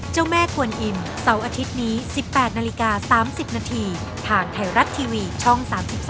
เจ้าแม่กวนอิ่มเสาร์อาทิตย์นี้๑๘นาฬิกา๓๐นาทีทางไทยรัฐทีวีช่อง๓๒